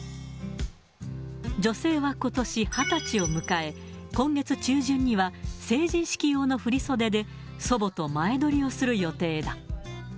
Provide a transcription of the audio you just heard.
女性はことし、２０歳を迎え、今月中旬には、成人式用の振り袖で、祖母と前撮りをする予定だ。